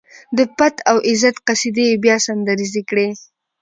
د پت او عزت قصيدې يې بيا سندريزې کړې.